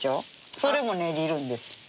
それもねじるんです。